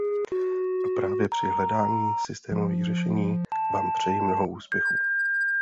A právě při hledání systémových řešení Vám přeji mnoho úspěchů.